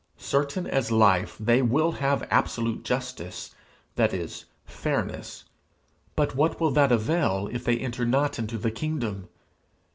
Certain as life they will have absolute justice, that is, fairness, but what will that avail, if they enter not into the kingdom?